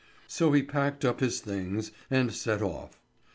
So he packed up his things and set off.